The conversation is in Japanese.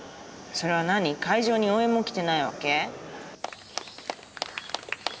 それは何会場に応援も来てないわけ？